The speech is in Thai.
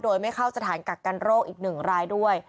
โดยไม่เข้าสถานกักกันโรคอีก๑รายด้วย